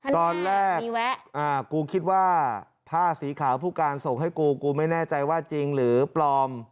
ตอนแรกกูคิดว่าผ้าสีขาวผู้การส่งให้กูกูไม่แน่ใจว่าจริงหรือปลอม